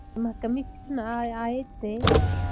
د محکمې فیسونه عاید دی